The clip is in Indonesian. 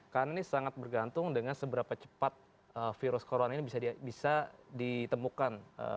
karena ini sangat bergantung dengan seberapa cepat virus corona ini bisa ditemukan